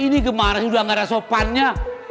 ini gemar sudah gak ada sopannya